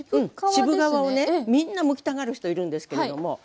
渋皮をねみんなむきたがる人いるんですけれども。